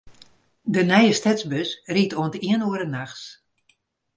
De nije stedsbus rydt oant iene oere nachts.